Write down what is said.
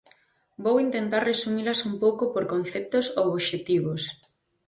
Vou intentar resumilas un pouco por conceptos ou obxectivos.